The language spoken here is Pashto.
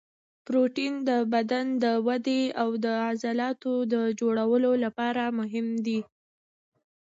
پروټین د بدن د ودې او د عضلاتو د جوړولو لپاره مهم دی